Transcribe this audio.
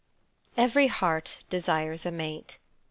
EVERY heart desires a mate.